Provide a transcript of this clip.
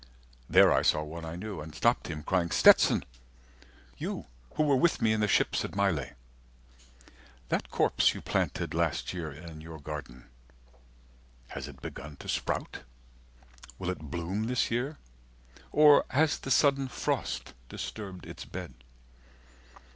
There I saw one I knew, and stopped him, crying "Stetson! "You who were with me in the ships at Mylae! 70 "That corpse you planted last year in your garden, "Has it begun to sprout? Will it bloom this year? "Or has the sudden frost disturbed its bed?